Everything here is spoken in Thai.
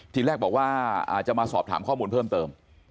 ทีแรกบอกว่าอาจจะมาสอบถามข้อมูลเพิ่มเติม